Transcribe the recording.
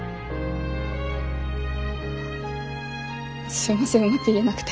すいませんうまく言えなくて。